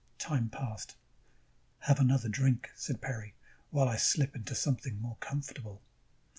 _ Time passed. "Have another drink," said Peri, "while I slip into something more comfortable."